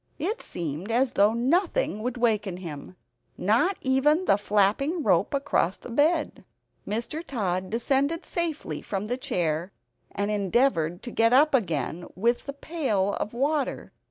It seemed as though nothing would waken him not even the flapping rope across the bed. Mr. Tod descended safely from the chair, and endeavored to get up again with the pail of water.